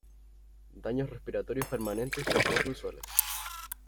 Daños respiratorios permanentes son poco usuales.